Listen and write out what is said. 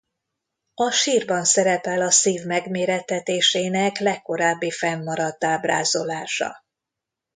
A sírban szerepel a szív megmérettetésének legkorábbi fennmaradt ábrázolása.